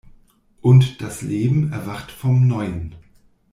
Und das Leben erwacht vom Neuen.